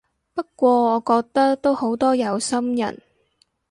不過我覺得都好多有心人